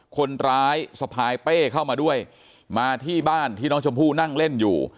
คนร้ายสะพายเป้เข้ามาด้วยมาที่บ้านที่น้องชมพู่นั่งเล่นอยู่